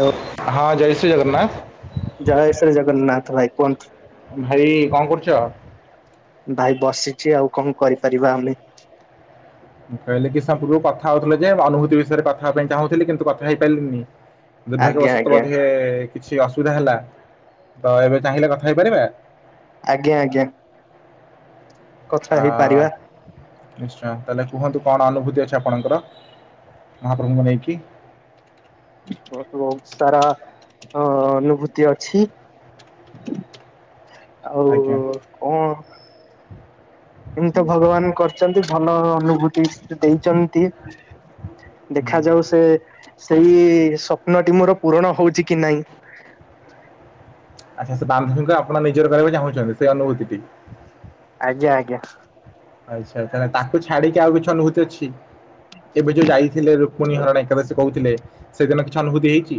Hello ହଁ ଜୟ ଶ୍ରୀ ଜଗନ୍ନାଥ। ଜୟ ଶ୍ରୀ ଜଗନ୍ନାଥ ଭାଇ। କୁହନ୍ତୁ? ଭାଇ କଣ କରୁଚ? ଭାଇ ବସିଚି ଆଉ କଣ କରିପାରିବା ଆମେ। ମୁଁ କହିଲି କି ସମ ପୁର୍ବୁରୁ କଥା ହଉଥିଲେ ଯେ ଅନୁଭୂତି ବିଷୟରେ କଥା ହେବା ପାଇଁ ଚାହୁଥିଲି କିନ୍ତୁ କଥା ହେଇପାରିଲିନି। ଆଜ୍ଞା ଦୁର୍ଭାଗ୍ୟବଶତ ଆଜ୍ଞା ବଧେ କିଛି ଅସୁବିଧା ହେଲା ତ ଏବେ ଚାହିଁଲେ କଥା ହେଇପାରିବା? ଆଜ୍ଞା ଆଜ୍ଞା। କଥା ଆ ହେଇପାରିବା ନିଶ୍ଚୟ ତାହେଲେ କୁହନ୍ତୁ କଣ ଅନୁଭୂତି ଅଛି ଆପଣଙ୍କର ମହାପ୍ରଭୁଙ୍କୁ ନେଇକି? ମୋର ବହୁତ ସାରା ଅଁ ଅନୁଭୂତି ଅଛି। ଆଉ ଆଜ୍ଞା କଣ ଏମିତି ତ ଭଗବାନ କରିଚନ୍ତି ଭଲ ଅନୁଭୂ ତି ସ ଦେଇଚନ୍ତି ହୁଁ। ଦେଖାଯାଉ ସେ ସେଇ ସ୍ୱପ୍ନଟି ମୋର ପୂରଣ ହଉଚି କି ନାଇଁ। ଆଚ୍ଛା ସେ ବାନ୍ଧବୀଙ୍କୁ ଆପଣ ନିଜର କରିବାକୁ ଚାହୁଁଚନ୍ତି ସେ ଅନୁଭୂତିଟି। ଆଜ୍ଞା ଆଜ୍ଞା। ଆଚ୍ଛା। ତାହାଲେ ତାକୁ ଛାଡିକି ଆଉ କିଛି ଅନୁଭୂତ ଅଛି? ଏବେ ଯୋଉ ଯାଇଥିଲେ ରୁକ୍ମଣୀ ହରଣ ଏକାଦଶୀ କହୁଥିଲେ ସେଦିନ କିଛି ଅନୁଭୂତି ହେଇଚି?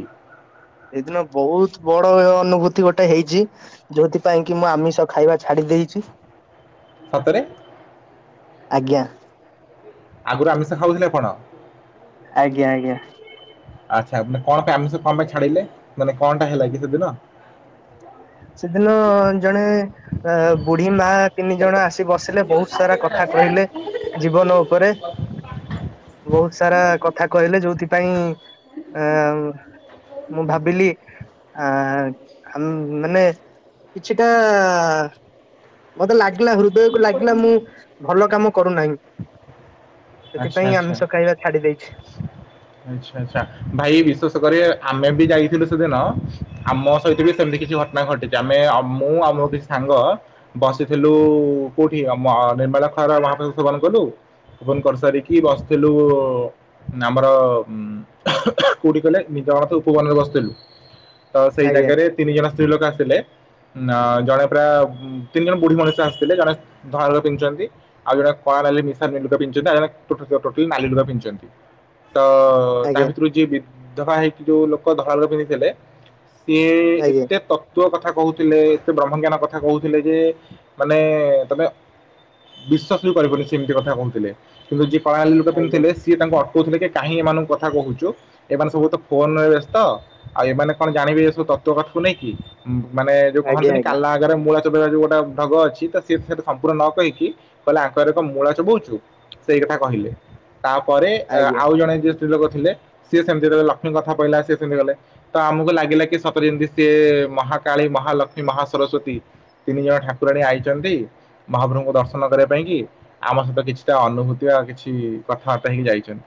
ଏଇଦିନ ବହୁତ ବଡ ଅନୁଭୂତି ଗୋଟେ ହେଇଚି। ଯୋଉଥିପାଇଁ କି ମୁଁ ଆମିଷ ଖାଇବା ଛାଡି ଦେଇଚି। ସତରେ? ଆଜ୍ଞା। ଆଗରୁ ଆମିଷ ଖାଉଥିଲେ ଆପଣ? ଆଜ୍ଞା ଆଜ୍ଞା। ଆଛା ମାନେ କଣ ପାଇଁ ଆମିଷ କଣ ପାଇଁ ଛାଡିଲେ ମାନେ କଣ ଟା ହେଲା କି ସେଦିନ? ସେଦିନ ଜଣେ ଅ ବୁଢୀ ମା ତିନି ଜଣ ଆସି ବସିଲେ ବହୁତ ସାରା ଆଚ୍ଛା କଥା କହିଲେ ଜୀବନ ଉପରେ। ବହୁତ ସାରା କଥା କହିଲେ ଯୋଉଥିପାଇଁ ଅଁ ମୁଁ ଭାବିଲି ଆ ଆମ ମାନେ କିଛିଟା ମତେ ଲାଗିଲା ହୃ ବୋଉକୁ ଲାଗିଲା ମୁଁ ଭଲ କାମ କରୁନାହିଁ। ସେଥିପାଇଁ ଆମିଷ ଖାଇବା ଛାଡି ଦେଇଛି। ହ [inaudible] ଆଚ୍ଛା ଆଚ୍ଛା! ଭାଇ ବିଶ୍ୱାସ କରିବେ ଆମେ ବି ଯାଇଥିଲୁ ସେଦିନ ଆମ ସହିତ ବି ସେମିତି କିଛି ଘ ଘଟଣା ଘଟିଛି ଆମେ ମୁଁ ଆମ ଦୁଇ ସାଙ୍ଗ ବସିଥିଲୁ କୋଉଠି ଆମ ନିର୍ମାଳା ଖର ମହାପ୍ରଭୁ ପୂରଣ କଲୁ ସେବାନ କରିସାରିକି ବସିଥିଲୁ ଆମର ଉ କୋଉଠି କହିଲେ ନିଜଣ ତ ଉପବନରେ ବସିଥିଲୁ। ତ ସେଇ ଆଜ୍ଞା ଜାଗାରେ ତିନି ଜଣ ସ୍ତ୍ରୀ ଲୋକ ଆସିଥିଲେ ନା ଜଣେ ପ୍ରାୟ ତିନି ଜଣ ବୁଢୀ ମଣିଷ ଆସିଥିଲେ ଜଣେ ଧଳା ଲୁଗା ପିନ୍ଧିଛନ୍ତି ଆଉ ଜଣେ କଳା ନାଲି ମିଶା ଲୁଗା ବିନ୍ଧିଛନ୍ତି ଆଉ ଜଣେ [unintelligible] ନାଲି ଲୁଗା ପିନ୍ଧିଛନ୍ତି। ତ ତା ଆଜ୍ଞା ଭିତରୁ ଯିଏ ବିଧବା ହେଇକି ଯୋଉ ଲୋକ ଧଳା ଲୁଗା ପିନ୍ଧିଥିଲେ ସିଏ ଆଜ୍ଞା ଏତେ ତ କଥା କହୁଥିଲେ ଏତ ବ୍ରହ୍ମଜ୍ଞାନ କଥା କହୁଥିଲେ ଯେ ମାନେ ତମେ ବିଶ୍ୱାସ ବି କରିବନି ସେ ଏମିତିଆ କଥା କହୁଥିଲେ କିନ୍ତୁ ଯିଏ କଳା ଲୋକ ପିନ୍ଧୁଥିଲେ ଆଜ୍ଞା ସିଏ ତାଙ୍କ ଅ କହୁଥିଲେ କି କାହିଁ ଏମାନଙ୍କ କଥା କହୁଛୁ? ଏମାନେ ସବୁ ତ ଫୋନ ରେ ବ୍ୟସ୍ତ ତ ଆଉ ଏମାନେ କଣ ଜାଣିବେ ଏ ସବୁ ତତ୍ତ୍ୱ କଥାକୁ ନେଇକି? ମାନେ ଯୋଉ ଆଜ୍ଞା ଆଜ୍ଞା କହନ୍ତିନି କାଲା ଆଗରେ ମୂଳା ଚଳେଇବା ଯୁ ଉ ଗୋଟେ ଢଗ ଅଛି ତ ସେ ସୋ ସମ୍ପୂର୍ଣ୍ଣ ନ କହିକି। କହିଲା ଆଙ୍କର ଏକ ମୂଳ ଚୁବଉଛୁ ସେଇ କଥା କହିଲେ। ଏ ତାପରେ ଆଜ୍ଞା ଆଉ ଜଣେ ସ୍ତ୍ରୀ ଲୋକ ଥିଲେ ସେ ସେମିତି ଗୋଟେ ଲକ୍ଷ୍ମୀ କଥା କହିଲା ସ ସେମିତି ଗଲେ ତ ଆମକୁ ଲାଗିଲା କି ସତ ଯେମିତି ସିଏ ମହାକାଳୀ, ମହାଲକ୍ଷ୍ମୀ, ମହା ସରସ୍ଵତୀ ତିନି ଜଣ ଠାକୁରାଣୀ ଆଇଛନ୍ତି। ମହାପ୍ରଭୁଙ୍କୁ ଦର୍ଶନ କରିବା ପାଇଁ କି ଆମ ସହିତ କିଛିଟା ଅନୁଭୂତି ଆଉ କିଛି କଥାବାର୍ତ୍ତା ହେଇକି ଯାଇଛନ୍ତି।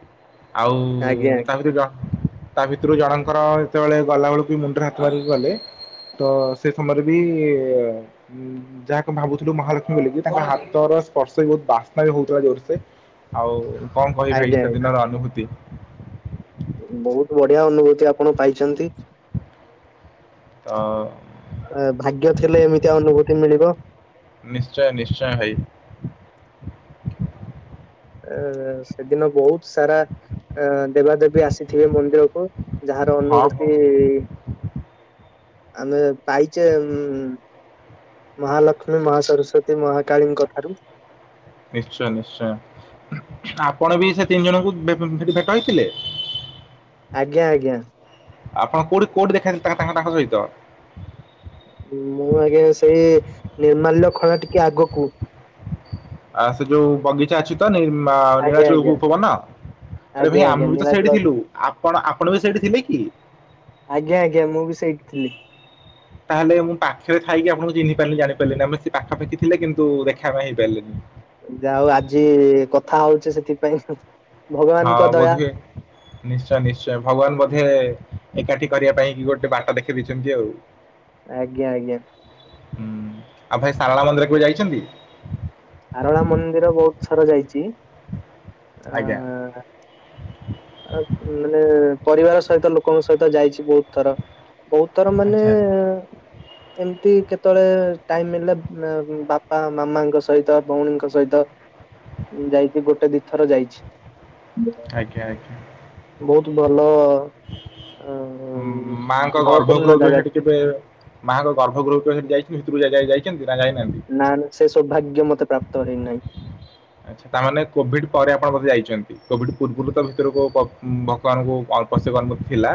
ଆଉ ଆଜ୍ଞା ତା ଭିତରେ ଯ ତା ଭିତରୁ ଜଣଙ୍କର ଯେତେବେଳେ ଗଲାବେଳକୁ ମୁଣ୍ଡରେ ହାତ ମାରିକି ଗଲେ ତ ସେ ସମୟରେ ବି ଉଁ ଯାହାକୁ ଭାବୁଥିଲୁ ମହାଲକ୍ଷ୍ମୀ ବୋଲିକି ତାଙ୍କ ହାତର ସ୍ପର୍ଶ ବି ବହୁତ ବାସ୍ନା ବି ହଉଥିଲା ଜୋରସେ। ଆଉ କଣ କହିବ ଭାଇ ଆଜ୍ଞା ସେଦିନର ଅନୁଭୂତି। ବହୁତ ବଢିଆ ଅନୁଭୂତି ଆପଣ ପାଇଛନ୍ତି। ତ ଭାଗ୍ୟ ଥିଲେ ଏମିତିଆ ଅନୁଭୂତି ମିଳିବ। ନିଶ୍ଚୟ ନିଶ୍ଚୟ ଭାଇ। ଏ ସେ ଦିନକୁ ସାରା ଆ ଦେବାଦେବୀ ଆସିଥିବେ ମନ୍ଦିରକୁ ଯାହାର ହଁ ହଁ ଅନୁଭୂତି ଆମେ ପାଇଚେ ଉମ ମହାଲକ୍ଷ୍ମୀ, ମହା ସରସ୍ଵତୀ, ମହାକାଳୀଙ୍କ ଠାରୁ। ନିଶ୍ଚୟ ନିଶ୍ଚୟ। ଆପଣ ବି ସେ ତିନି ଜଣଙ୍କୁ ବେ ବେ ଭେଟ ହେଇଥିଲେ? ଆଜ୍ଞା ଆଜ୍ଞା। ଆପଣ କୋଉଠି କୋଉଠି ଦେଖାଥିଲେ ତାଙ୍କ ତାଙ୍କ ତାଙ୍କ ସହିତ? ମୁଁ ଆଜ୍ଞ ସେଇ ନିର୍ମାଲ୍ୟ ଖଳା ଟିକେ ଆଗକୁ। ଆ ସେ ଯୋଉ ବଗିଚା ଅଛି? ତ ନିର୍ମା ଆଜ୍ଞା ନୀଳାଚଳକୁ ଆଜ୍ଞା ଉପବନ। ଆରେ ଭାଇ ଆଜ୍ଞା ଆଜ୍ଞା ଆମେ ବି ତ ସେଇଠି ନୀଳାଚଳ ଥିଲୁ। ଆପଣ ଆପଣ ବି ସେଇଠି ଥିଲେ କି? ଆଜ୍ଞା ଆଜ୍ଞା ମୁଁ ବି ସେଇଠି ଥିଲି। ତାହେଲେ ମୁଁ ପାଖରେ ଥାଇକି ଆପଣଙ୍କୁ ଚିହ୍ନିପାରଲି ଜାଣିପାରଲିନି ଆମେ ସେ ପାଖାପାଖି ଥିଲେ କିନ୍ତୁ ଦେଖାବା ହେଇପାରଲେନି। ଯାହା ହୋଉ ଆଜି କଥା ହଉଚେ ସେଥିପାଇଁ। ହଁ ଭଗବାନଙ୍କ ଦୟା ବୋଧେ। ନିଶ୍ଚୟ ନିଶ୍ଚୟ ଭଗବାନ ବୋଧେ ଏକାଠି କରିବା ପାଇଁ କି ଗୋଟେ ବାଟ ଦେଖେଇଚନ୍ତି ଆଉ। [inaudible] ଆଜ୍ଞା ଆଜ୍ଞା। ହୁଁ ଆଉ ଭାଇ ସାରଳା ମନ୍ଦିର କେବେ ଯାଇଚନ୍ତି? ସାରଳା ମନ୍ଦିର ବହୁତ ଥର ଯାଇଚି ଆ। ଆଜ୍ଞା ଆ ମାନେ ପରିବାର ସଇତ ଲୋକଙ୍କ ସଇତ ଯାଇଚି ବହୁତ ଥର। ବହୁତଥର ମାନେ। ଆଚ୍ଛା ଏମତି କେତେଳେ ଟାଇମ ମିଲଲେ ବାପା ମାମାଙ୍କ ସ ସଇତ ଭଉଣୀଙ୍କ ସଇତ ଯାଇଚି ଗୋଟେ ଦିଥର ଯାଇଚି। ଆଜ୍ଞା ଆଜ୍ଞା। ବହୁତ ଭଲ ଆ ଉଁ ମାଙ୍କ ଭାବପୂର୍ଣ୍ଣ ଗର୍ଭଗୃହକୁ ଜାଗାରେ। ସେଠି କେବେ ମାଆଙ୍କ ଗର୍ଭଗୃହକୁ କେବେ ଯାଇଚୁ ଭିତରକୁ ଯାଇ ଯାଇଚନ୍ତି ନା ଯାଇନାହାନ୍ତି? ନା ନା ସେ ସୋଭାଗ୍ୟ ମତେ ପ୍ରାପ୍ତ ହେଇନାହିଁ। ଆଚ୍ଛା ତାମାନେ କୋଭିଡ ପରେ ଆପଣ ବୋଧେ ଯାଇଛନ୍ତି। କୋଭିଡ ପୂର୍ବରୁ ତ ଭିତରକୁ ବଗବାନଙ୍କୁ [unintelligible] ନଥିଲା।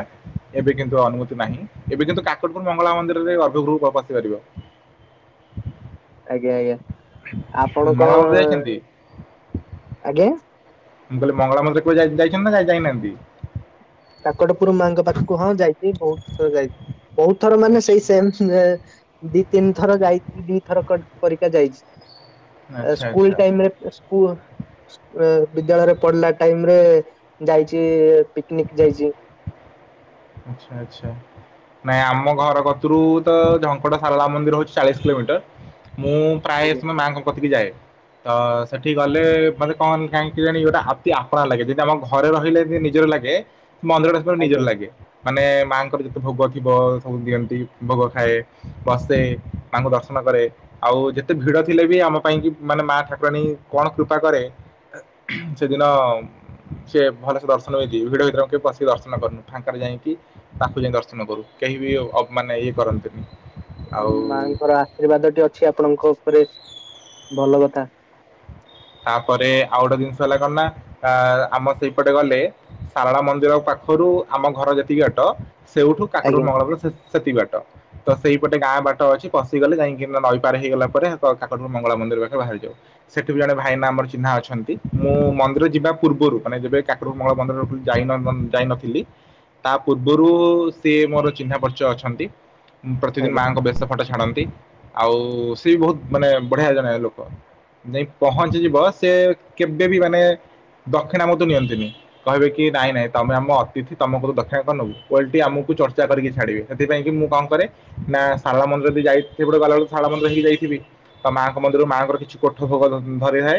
ଏବେ କିନ୍ତୁ ଅନୁମତି ନାହିଁ। ଏବେ କିନ୍ତୁ କାକଟପୁର ମଙ୍ଗଳା ମନ୍ଦିରରେ ଗର୍ଭଗୃହକୁ ପସି ପାରିବ। ଆଜ୍ଞା ଆଜ୍ଞା ଆପଣ ମଙ୍ଗଳା କଣ ମନ୍ଦିର ଯାଇଛନ୍ତି ଆଜ୍ଞା ମୁଁ କଇଲି ମଙ୍ଗଳା ମନ୍ଦିରକୁ ଜାଇ ଯାଇଚନ୍ତି ନା ଯ ଯାଇନାହାନ୍ତି? କାକଟପୁର ମାଙ୍କ ପାଖକୁ ହଁ ଯାଇଚି ବହୁଥର ଯାଇଚି। ବହୁତ ଥର ମାନେ ଆଚ୍ଛା ସେଇ ସେମ ସେନ୍ତା ଦି ତିନି ଥର ଯାଇଛି ଦି ଥର କଟ ପରୀକ୍ଷା ଯାଇଚି। ଆଚ୍ଛା ସ୍କୁଲ ଆଚ୍ଛା ଟାଇମରେ ସ୍କ କୁ ଏ ବିଦ୍ୟାଳୟରେ ପଢିଲା ଟାଇମରେ ଯାଇଚି ପିକନିକ। ଯାଇଚି। ଆଚ୍ଛା ଆଚ୍ଛା। ନାଇଁ ଆମ ଘର କତରୁ ତ ଝଙ୍କଟ ସାରଳା ମନ୍ଦିର ହୋଉଚି ଚାଳିଶ କିଲୋମିଟର। ମୁଁ ପ୍ରାୟ ଆଜ୍ଞା ସମୟ ମାଆଙ୍କ କତିିକି ଯାଏ। ତ ସେଠି ଗଲେ ମତେ କଣ କାହିଁକି କେଜାଣି ଗୋଟେ ଆତି ଆପଣାର ଲାଗେ। ଯଦି ଆମ ଘରେ ରହିଲେ ନିଜର ଲାଗେ। ମନ୍ଦିର ଟା ପୁରା ନିଜର ଆଜ୍ଞା ଲାଗେ। ମାନେ ମାଙ୍କର ଯେତେ ଭୋଗଥିବ ସବୁ ଦିଅନ୍ତି ଭୋଗ ଖାଏ। ବସେ ତାଙ୍କୁ ଦର୍ଶନ କରେ। ଆଉ ଯେତେ ଭିଡଥିଲେ ବି ଆମ ପାଇଁ କି ମାନେ ମା ଠାକୁରାଣୀ କଣ କୃପା କରେ। ସେଦିନ ସେ ଭଲସେ ଦର୍ଶନଯି ଭିଡ ଭିତରେ କେପ ବସିକି ଦର୍ଶନ କରନୁ ଫାଙ୍କାରେ ଯାଇ କି ତାକୁ ଯାଇ ଦର୍ଶନ କରୁ। କେହି ବି ଅ ମାନେ ଇଏ କରନ୍ତିନି। ଆଉ ମାଙ୍କର ଆଶୀର୍ବାଦଟେ ଅଛି ଆପଣଙ୍କ ଉପରେ ଭଲ କଥା। ତାପରେ ଆଉ ଗୋଟେ ଜିନିଷ ହେଲା କଣ ନା ତା ଆମ ସେଇପଟେ ଗଲେ ସାରଳା ମନ୍ଦିର ପାଖରୁ ଆମ ଘର ଯେତିକି ବାଟ। ସେଉଠୁ କାକଟପୁରୁ ଆଜ୍ଞା ମଙ୍ଗଳପୁର ସେତିକି ବାଟ। ତ ସେଇପଟେ ଗାଁ ବାଟ ଅଛି ପଶିଗଲେ। ଯାଇଁକି ନଈ ପାର ହେଇଗଲା ପରେ କାକଟପୁରୁ ମଙ୍ଗଳା ମନ୍ଦିର ପାଖରେ ବାହାରି ଯାଉ। ସେଠି ବି ଜଣେ ଭାଇନା ଆମର ଚିହ୍ନା ଅଛନ୍ତି। ମୁଁ ମନ୍ଦିର ଯିବା ପୂର୍ବରୁ ମାନେ ଯେବେ କାକୁଟପୁର ମଙ୍ଗଳା ମନ୍ଦିର ଯାଇନ ଯାଇ ନଥିଲି ତା ପୂର୍ବରୁ ସିଏ ମୋର ଚିହ୍ନା ପରିଚୟ ଅଛନ୍ତି। ପ୍ରତିଦିନ ମାଙ୍କ ବେଶ ଫଟୋ ଛାଡନ୍ତି ଆଉ ସେ ବି ବହୁତ ମାନେ ବଢିଆ ଜଣେ ଲୋକ। ଯାଇ ପହଞ୍ଚିଯିବ ସେ କେବେ ବି ମାନେ ଦକ୍ଷିଣା ମୋତୁ ନିଅନ୍ତିନି। କହିବେ କି ନାଇଁ ନାଇଁ ତମେ ଆମ ଅତିଥି ତମକରୁ ଦକ୍ଷୀଣା କଣ ନେବୁ ଓଲଟି ଆମକୁ ଚର୍ଚ୍ଚା କରି କି ଛାଡିବେ। ସେଥିପାଇଁ କି ମୁଁ କଣ କରେ ନା ଶାରଳା ମନ୍ଦିର ଦେଇ ଯାଇଥିବି ବାହାରିଲା ବେଳକୁ ଶାରଳ ମନ୍ଦିର ହେଇଯାଇଥିବି ତ ମାଙ୍କ ମନ୍ଦିରରୁ ମାଆଙ୍କର କିଛି କୋ ଭୋଗ ଧରିନିଏ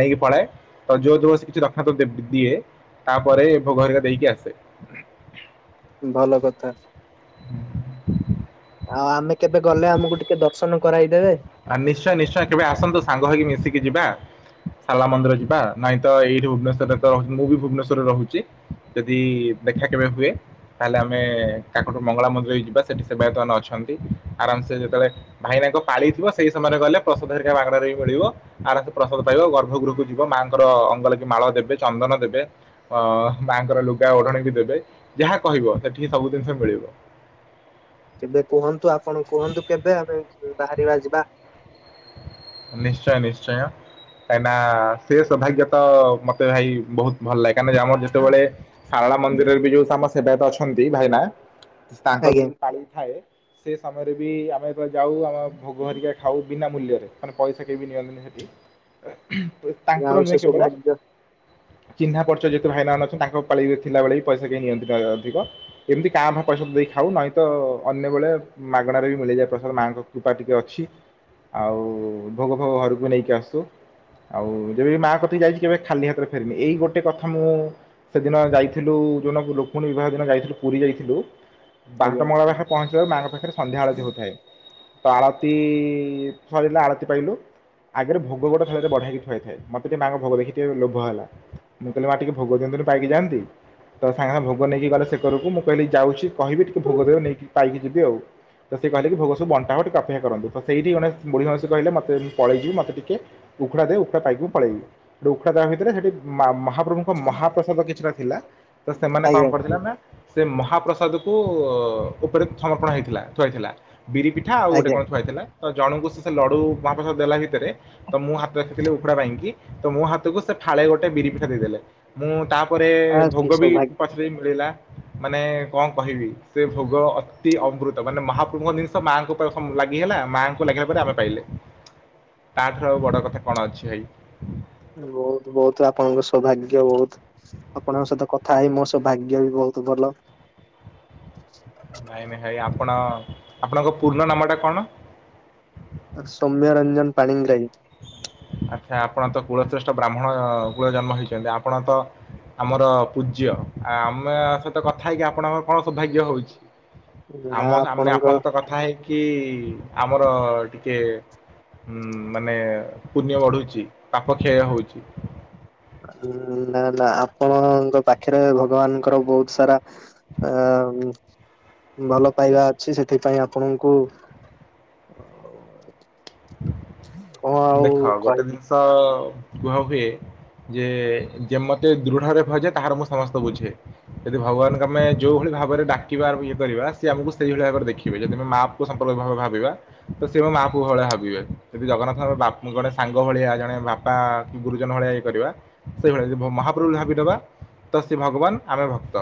ନେଇକି ପଳାଏ ତ ଯୋଉ ଯୋଉ କିଛି ରଖାତ ଦିଏ। ତା ପରେ ଭୋଗ ହରିକା ଦେଇକି ଆସେ। ଭଲ କଥା। ହୁଁ [unintelligible] ଆଉ ଆମେ କେବେ ଗଲେ ଆମକୁ ଟିକେ ଦର୍ଶନ କରାଇଦେବେ? ଆଉ ନିଶ୍ଚୟ ନିଶ୍ଚୟ କେବେ ଆସନ୍ତୁ ସାଙ୍ଗ ହେଇକି ମିଶିକି ଯିବା। ଶରଳା ମନ୍ଦିର ଯିବା ନାଇଁ ତ ଏଇଠୁ ଭୁବନେଶ୍ୱରରେ ତ ରହୁଛି ମୁଁ ବି ଭୁବନେଶ୍ୱରରେ ରହୁଛି। ଯଦି ଦେଖା କେବେ ହୁଏ ତାହେଲେ ଆମେ କାକଟୁ ମଙ୍ଗଳା ମନ୍ଦିର ହେଇ ଯିବା ସେଠି ସେବାୟତ ମାନେ ଅଛନ୍ତି ଆରାମ୍ ସେ ଯେତେବେଳେ ଭାଇନାଙ୍କ ପାଳି ଥିବ ସେଇ ସମୟରେ ଗଲେ ପ୍ରସାଦ ହରିକା ମାଗଣା ରେ ବି ମିଳିବ। ଆଳତୀ ପ୍ରସାଦ ପାଇବ ଗର୍ଭଗୁରୁକୁ ଯିବ ମାଆଙ୍କର ଅଙ୍ଗ ଲାଗି ମାଳ ଦେବେ ଚନ୍ଦନ ଦେବେ। ଅ ମାଙ୍କର ଲୁଗା ଓଢଣି ବି ଦେବେ ଯାହା କହିବ ସେଠିକି ସବୁ ଜିନିଷ ମିଳିବ। କେବେ କୁହନ୍ତୁ ଆପଣ କୁହନ୍ତୁ କେବେ ଆମେ ବାହାରିବା ଯିବା। ନିଶ୍ଚୟ ନିଶ୍ଚୟ। କାହିଁନା ସେ ସୌଭାଗ୍ୟ ତ ମତେ ଭାଇ ବହୁତ ଭଲ ଲାଗେ କାଇଁକିନା ଆମର ଯେତେବେଳେ ସାରଳା ମନ୍ଦିରରେ ବି ଯୋଉ ତମ ସେବାୟତ ଅଛନ୍ତି ଭାଇନା ତାଙ୍କର ଆଜ୍ଞା ଯେବେ ପାଳି ଥାଏ ସେ ସମୟରେ ବି ଆମେ ଯେବେ ଯାଉ ଆମ ଭୋଗ ହେରିକା ଖାଉ ବିନା ମୂଲ୍ୟରେ। ମାନେ ପଇସା କେହି ବି ନିଅନ୍ତିନି ସେଠି ଆଉ ତାଙ୍କର ସେ ନୁହେଁ କେବଳ ସୌଭାଗ୍ୟ ଚିହ୍ନା ପରିଚୟ ଯେତଳୁ ଭାଇନା ନଥିଲେ ମାନେ ଅଛନ୍ତି ତାଙ୍କ ପାଳି ଥିଲା ବେଳେ ବି ପଇସା କେହି ନିଅନ୍ତି ଅଧିକ। କେମିତି କାଁ ଭାଁ ପଇସା ତ ଦେଇ ଖାଉ ନାଇଁ ତ ଅନ୍ୟବେଳେ ମାଗଣାରେ ବି ମିଳିଯାଏ ପ୍ରସାଦ ମାଙ୍କ କୃପା ଟିକେ ଅଛି ଆଉ ଭୋଗ ଫୋଗ ଘରକୁ ନେଇକି ଆସେ। ଆଉ ଯେବେ ମା କତିକି ଯାଇଛି କେବେ ଖାଲି ହାତରେ ଫେରିନି ଏଇ ଗୋଟେ କଥା ମୁଁ ସେଦିନ ଯାଇଥିଲୁ ଯୋଉ ଦିନ [unintelligible] ଯାଇଥିଲୁ ପୁରୀ ଯାଇଥିଲୁ ଆଜ୍ଞା ବାଟମଙ୍ଗଳା ହା ପହଞ୍ଚିବାରୁ ମାଙ୍କ ପାଖରେ ସନ୍ଧ୍ୟା ଆଳତୀ ହୋଉଥାଏ ତ ଆଳତୀ ସଇଲା ଆଳତୀ ପାଇଲୁ ଆଗରେ ଭୋଗ ଗୋଟେ ଥାଳିରେ ବଡା ହେଇକି ଥୁଆ ହୋଇଥାଏ ମତେ ଟିକେ ମାଙ୍କ ଭୋଗ ଦେଖି ଲୋଭ ହେଲା ମୁଁ କହିଲି ମା ଟିକେ ଭୋଗ ଦଅନ୍ତୁନୁ ପାଇକି ଯାଆନ୍ତି। ତ ସାଙ୍ଗ ସାଙ୍ଗେ ଭୋଗ ନେଇକି ଗଲେ ସେ ଘରକୁ ମୁଁ କହିଲି ଯାଉଛି କହିବି ଟିକେ ଭୋଗ ଦେବେ ନେଇକି ପାଇକି ଯିବି ଆଉ। ତ ସେ କହିଲେ ଭୋଗ ସବୁ ବଣ୍ଟା ହବ ସବୁ ଅପେକ୍ଷା କରନ୍ତୁ ତ ସେଇଠି ଜଣେ ବୁଢ଼ୀ ମାଉସୀ କହିଲେ ମତେ ସେ ପଳେଇଯିବି ମତେ ଟିକେ ଉଖୁଡା ଦେ ଉଖୁଡା ପାଇକି ମୁଁ ପଳେଇବି। ଉଖୁଡା ଦବା ଭିତରେ ସେଠି ମା ମହାପ୍ରଭୁଙ୍କ ମହାପ୍ରସାଦ କିଛିଟା ଥିଲା। ତ ସେମାନେ କଣ ଆଜ୍ଞା କରିଥିଲେ ନା ସେ ମହାପ୍ରସାଦ କୁ ଉପରେ ଥମର୍ପଣ ହେଇଥିଲା ଥୁଆହେଇଥିଲା ବିରିି ପି ଠା ଆଉ ଗୋଟେ ଆଜ୍ଞା କଣ ଥୁଆହେଇଥିଲା ତ ଜଣଙ୍କୁ ସେ ସେ ଲଡୁ ମହାପ୍ରସଦ ଦେଲା ଭିତରେ ତ ମୁଁ ହାତ ଦେଖେଇଥିଲି ଥିଲି ଉଖୁଡା ପାଇଁକି ତ ମୋ ହାତକୁ ସେ ଫାଳେ ଗୋଟେ ବିରି ପିଠା ଦେଇଦେଲେ। ମୁଁ ତାପରେ ଆଉ କି ଭୋଗ ବି ସୌଭାଗ୍ୟ ପଛରେ ବି ମିଳିଲା। ମାନେ କଣ କହିବି ସେ ଭୋଗ ଅତି ଅମୃତ ମାନେ ମହାପ୍ରଭୁଙ୍କ ଜିନିଷ ମାଙ୍କୁ [unintelligible] ଲାଗି ହେଲା ମାଆଙ୍କୁ ଲାଗିହେଲା ପରେ ଆମେ ପାଇଲେ। ତା ଠାରୁ ଆଉ ବଡ କଥା କଣ ଅଛି ଭାଇ। ବୋହୁତୁ ବୋହୁତୁ ଆପଣଙ୍କ ସୌଭାଗ୍ୟ ବୋହୁତୁ। ଆପଣଙ୍କ ସହିତ କଥା ହେଇ ମୋ ସହ ଭାଗ୍ୟ ବି ବହୁତ ଭଲ। ନାଇଁ ନାଇଁ ଭାଇ ଆପଣ ଆପଣଙ୍କ ପୂର୍ଣ୍ଣ ନାମ ଟା କଣ? ସୌମ୍ୟ ରଞ୍ଜନ ପାଣିଗ୍ରାହୀ। ଆଛା ଆପଣ ତ କୁଳଶ୍ରେଷ୍ଠ ବ୍ରାହ୍ମଣ କୂଳ ଜନ୍ମ ହେଇଚନ୍ତି। ଆପଣ ତ ଆମର ପୂଜ୍ୟ। ଆ ଆମ ସହିତ କଥା ହେଇକି ଆପଣଙ୍କର କଣ ସୌଭାଗ୍ୟ ହଉଚି? ଆମ ଆମେ ଆପଣଙ୍କ ସହିତ କଥା କଥା ହେଇକି ଆମର ଟିକେ ଉ ମାନେ ପୁଣ୍ୟ ବଢୁଚି ପାପ କ୍ଷୟ ହଉଚି। ନା ନା ଆପଣଙ୍କ ପାଖରେ ଭଗବାନଙ୍କର ବହୁତ ସାରା ଆ ଭଲ ପାଇବା ଅଛି ସେଥିପାଇଁ ଆପଣଙ୍କୁ କଣ ଆଉ ଦେଖ ଗୋଟେ କହିବି ଜିନିଷ କୁହା ହୁଏ ଯେ ଯେ ମତେ ଦୃଢରେ ଭଜେ ତାହାର ମୁଁ ସମସ୍ତେ ବୁଝେ। ଯଦି ଭଗବାନଙ୍କୁ ଆମେ ଯୋଉ ଭଳି ଭାବରେ ଡାକିବା ଇଏ କରିବା ସିଏ ଆମକୁ ସେଇଭଳି ଭାବରେ ଦେଖିବେ। ଯଦି ଆମେ ମା ପୁଅ ସମ୍ପର୍କ ଭାବେ ଭାବିବା ତ ସେ ମା ପୁଅ ଭଳିଆ ଭାବ ବିବେ। ଯଦି ଜଗନ୍ନାଥଙ୍କ ବା ଜଣେ ସାଙ୍ଗ ଭଳିଆ ଜଣେ ବାପା କି ଗୁରୁଜନ ଭଳିଆ ଇଏ କରିବା ସେଇଭଳିଆ ଯଦି ମହାପ୍ରଭୁ ଭାବିଦବା ତ ସେ ଭଗବାନ ଆମେ ଭକ୍ତ।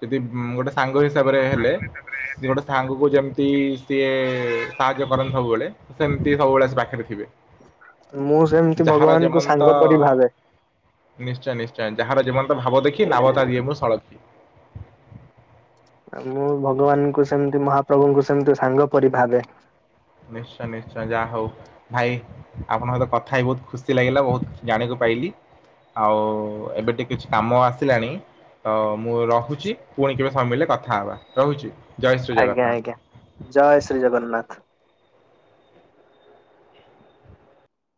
ଯଦି ଗୋଟେ ସାଙ୍ଗ ହିସାବରେ ହେଲେ ଗୋଟେ ସାଙ୍ଗକୁ ଯେମିତି ସିଏ ସାହାଯ୍ୟ କରନ୍ତି ସବୁବେଳେ ସେମିତି ସବୁବେଳେ ସେ ପାଖରେ ଥିବେ। ମୁଁ ସେମିତି ଯାହାର ଭଗବାନଙ୍କୁ ଯେମନ୍ତ ସାଙ୍ଗ ପରି ଭାବେ। ନିଶ୍ଚୟ ନିଶ୍ଚୟ ଯାହାର ଯେମନ୍ତ ଭାବ ଦେଖି ନାବତା ଦିଏ ମୁଁ ସଳଖି। ମୁଁ ଭଗବାନଙ୍କୁ ସେମତି ମହାପ୍ରଭୁଙ୍କୁ ସେମିତି ସାଙ୍ଗ ପରି ଭାବେ। ନିଶ୍ଚୟ ନିଶ୍ଚୟ ଯାହା ହଉ। ଭାଇ ଆପଣଙ୍କହିତ କଥା ହେଇ ବହୁତ ଖୁସି ଲାଗିଲା ବହୁତ ଜାଣକୁ ପାଇଲି ଆଉ ଏବେ ଟିକେ କିଛି କାମ ଆସିଲାଣି ତ ମୁଁ ରହୁଚି ପୁଣି କେବେ ସମୟ ମିଳିଲେ କଥା ହବା। ରହୁଚି? ଆଜ୍ଞା ଆଜ୍ଞା ଜୟ ଶ୍ରୀ ଜଗନ୍ନାଥ।